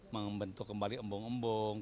membentuk kembali umumnya